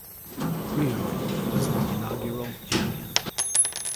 Riho was the inaugural champion.